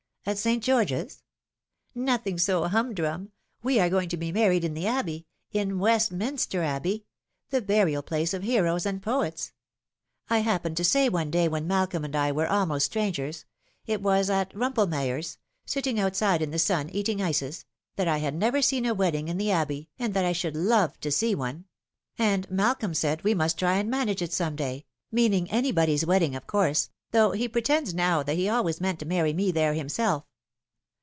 " At St. George's ?" "Nothing so humdrum. We are going to be married in the Abbey in Westminster Abbey the burial place of heroes .i:id poets. I happened to say one day when Malcolm and I were almost strangers it was at Rumpelmeyer's, sitting owtside in the sun, eating ices that I had never seen a wedding in the Abbey, and that I should love to see one ; and Malcolm said we must try and manage it some day meaning anybody's wedding, of course, though he pretends now that he always meant to marry me there himself.